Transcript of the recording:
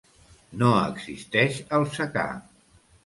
No existeix el secà.